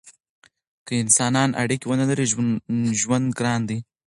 که انسانان اړیکې ونلري ژوند ګران دی.